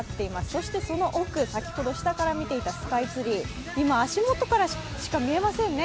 そしてその奥、先ほど見ていたスカイツリー、今、足元しか見えませんね。